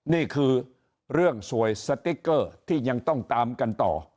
นี่คือเรื่องสวยสติ๊กเกอร์ที่ยังต้องตามกันต่อ